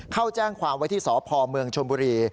เข้าแจ้งความไว้ที่สพเมืองชนบุรี